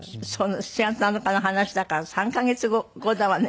７月７日の話だから３カ月後だわね。